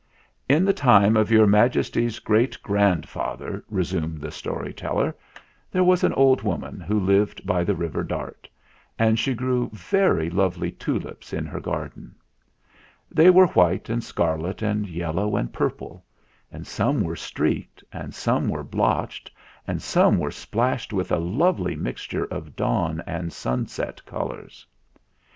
"In the time of Your Majesty's great grandfather/' resumed the story teller, "there was an old woman who lived by the river Dart, and she grew very lovely tulips in her garden. They were white and scarlet and yellow and purple; and some were streaked and some were blotched, and some were splashed with a lovely mixture of dawn and sunset colours.